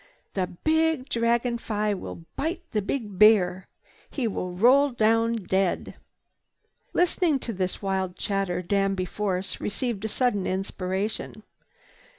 The big Dragon Fly will bite the big bear. He will roll down dead!" Listening to this wild chatter, Danby Force received a sudden inspiration.